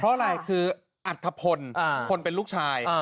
เพราะอะไรคืออัธพลคนเป็นลูกชาย